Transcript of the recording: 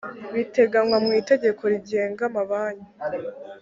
biteganywa mu itegeko rigenga amabanki